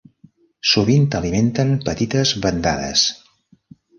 Sovint alimenten petites bandades.